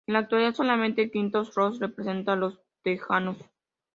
En la actualidad, solamente Quinton Ross representa a los tejanos.